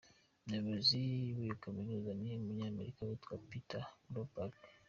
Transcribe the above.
Umuyobozi w’iyo kaminuza ni Umunyamerika, yitwa Peter Grobac.